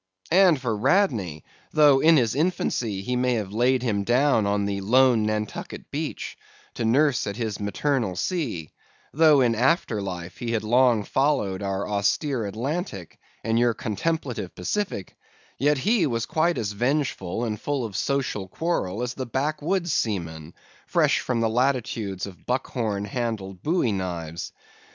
And for Radney, though in his infancy he may have laid him down on the lone Nantucket beach, to nurse at his maternal sea; though in after life he had long followed our austere Atlantic and your contemplative Pacific; yet was he quite as vengeful and full of social quarrel as the backwoods seaman, fresh from the latitudes of buck horn handled Bowie knives.